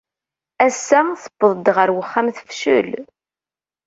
Ass-a, tewweḍ-d ɣer uxxam tefcel.